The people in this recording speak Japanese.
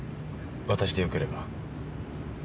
私でよければ。